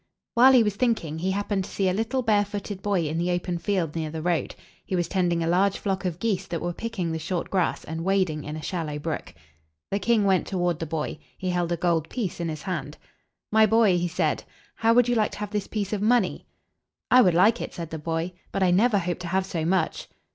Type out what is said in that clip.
While he was thinking, he happened to see a little bare foot ed boy in the open field near the road. He was tending a large flock of geese that were picking the short grass, and wading in a shallow brook. The king went toward the boy. He held a gold piece in his hand. "My boy," he said, "how would you like to have this piece of money?" "I would like it," said the boy; "but I never hope to have so much."